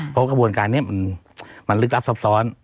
เพราะกระบวนการนี้มันลึกลับซับซ้อน